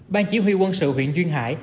ban chỉ huy quân sự huyện duyên hải